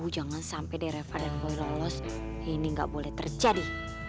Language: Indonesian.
jangan sampai deh referen gue lolos ini gak boleh terjadi